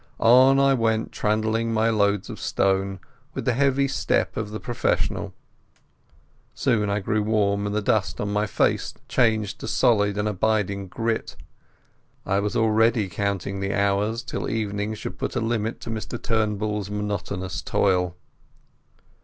On I went, trundling my loads of stone, with the heavy step of the professional. Soon I grew warm, and the dust on my face changed into solid and abiding grit. I was already counting the hours till evening should put a limit to Mr Turnbull's monotonous toil.